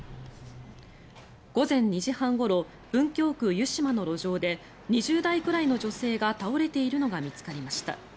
午前２時半ごろ文京区湯島の路上で２０代くらいの女性が倒れているのが見つかりました。